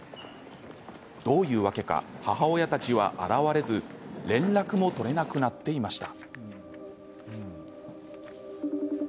どういうわけか母親たちは現れず連絡も取れなくなっていました。